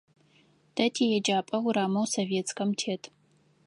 Тэ тиеджапӏэ урамэу Советскэм тет.